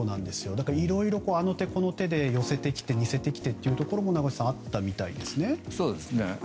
だから、いろいろあの手この手で寄せてきて似せてきてというところもあったみたいですね。